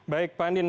baik pak andin